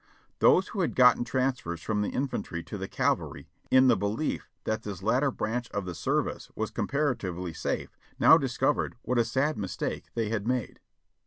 Those who had gotten transfers from the in fantry to the cavalry in the belief that this latter branch of the service was comparatively safe, now discovered what a sad mis take they had made.